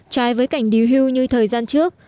trái với cảnh điều hưu như thời gian trước